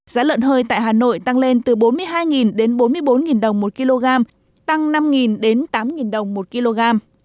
giá lợn hơi tại hà nội tăng lên từ bốn mươi hai đến bốn mươi bốn đồng một kg tăng năm đến tám đồng một kg